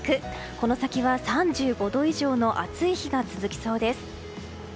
この先は３５度以上の暑い日が続きそうです。